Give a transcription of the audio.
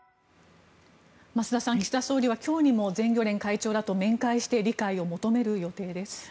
増田さん岸田総理は今日にも全漁連会長らと面会して理解を求める予定です。